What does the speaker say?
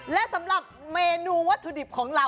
และสำหรับเมนูวัตถุดิบของเรา